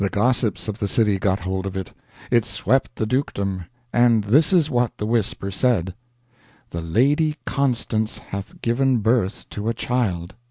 The gossips of the city got hold of it. It swept the dukedom. And this is what the whisper said: "The Lady Constance hath given birth to a child!"